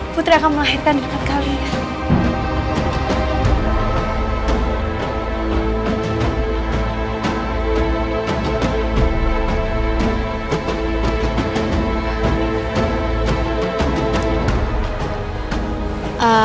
putri akan melahirkan dekat kalian